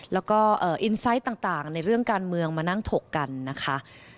แล้วก็อินไซต์ต่างในเรื่องการเมืองมานั่งถกกันนะคะ